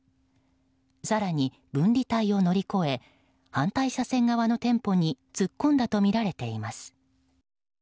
更に分離帯を乗り越え反対車線側の店舗に突っ込んだとみられています。